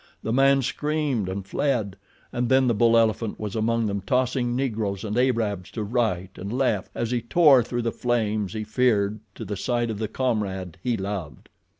The man screamed and fled, and then the bull elephant was among them tossing Negroes and Arabs to right and left as he tore through the flames he feared to the side of the comrade he loved.